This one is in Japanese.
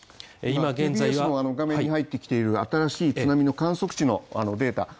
今現在の画面に入ってきている新しい津波の観測値のデータ